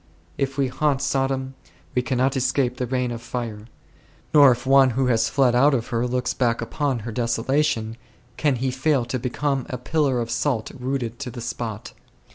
If we haunt Sodom, we cannot escape the rain of fire ; nor if one who has fled out of her looks back upon her desolation, can he fail to become a pillar of salt rooted to the spot.